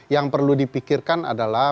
yang perlu dipikirkan adalah